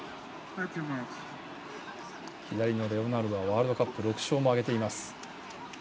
左のレオナルドはワールドカップ６勝も挙げています。